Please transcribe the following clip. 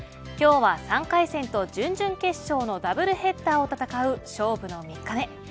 今日は３回戦と準々決勝のダブルヘッダーを戦う勝負の３日目。